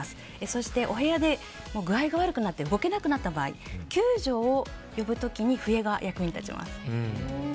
そして、お部屋で具合が悪くなって動けなくなった場合救助を呼ぶ時に笛が役に立ちます。